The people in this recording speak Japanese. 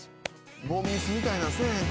凡ミスみたいなのせえへんか。